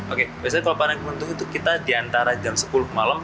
oke biasanya kalau panen untung itu kita di antara jam sepuluh malam